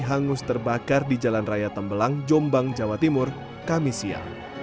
hangus terbakar di jalan raya tembelang jombang jawa timur kamisia